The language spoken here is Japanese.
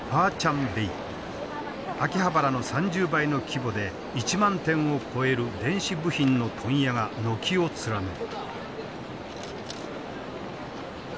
秋葉原の３０倍の規模で１万点を超える電子部品の問屋が軒を連ねる。